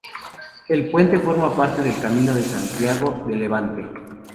El puente forma parte del Camino de Santiago de Levante.